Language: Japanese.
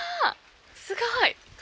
すごい！